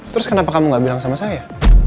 terus kenapa kamu gak bilang sama saya